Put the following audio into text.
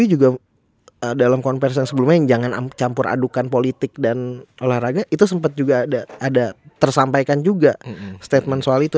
tapi juga dalam konversi yang sebelumnya yang jangan campur adukan politik dan olahraga itu sempat juga ada tersampaikan juga statement soal itu